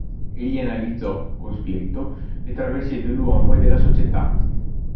Egli analizzò, con spirito, le traversie dell'uomo e della società.